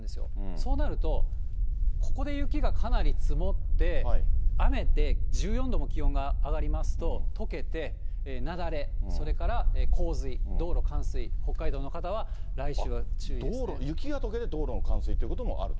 そうなると、ここで雪がかなり積もって、雨で１４度も気温が上がりますと、とけて、雪崩、それから洪水、道路冠水、道路、雪がとけて、道路の冠水ということもあると。